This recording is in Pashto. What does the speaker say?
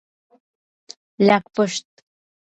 لاکپشت 🐢